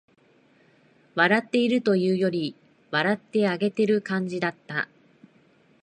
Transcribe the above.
笑っているというより、笑ってあげてる感じだった